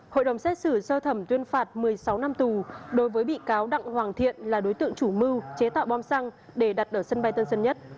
hội đồng xét xử sơ thẩm tuyên phạt một mươi sáu năm tù đối với bị cáo đặng hoàng thiện là đối tượng chủ mưu chế tạo bom xăng để đặt ở sân bay tân sơn nhất